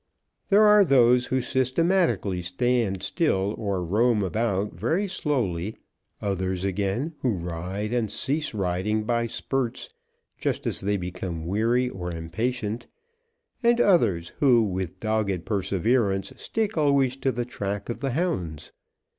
There are those who systematically stand still or roam about very slowly; others, again, who ride and cease riding by spurts, just as they become weary or impatient; and others who, with dogged perseverance, stick always to the track of the hounds.